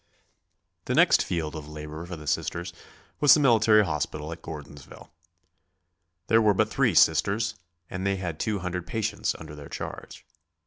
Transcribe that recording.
The next field of labor for the Sisters was the military hospital at Gordonsville. There were but three Sisters, and they had two hundred patients under their charge.